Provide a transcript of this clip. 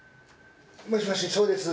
「もしもしそうです。